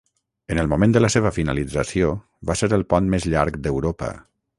En el moment de la seva finalització, va ser el pont més llarg d'Europa.